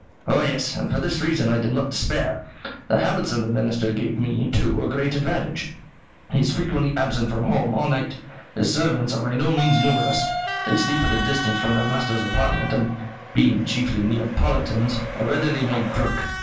"Oh, yes; and for this reason I did not despair. The habits of the Minister gave me, too, a great advantage. He is frequently absent from home all night. His servants are by no means numerous. They sleep at a distance from their master's apartment, and, being chiefly Neapolitans, are readily made drunk.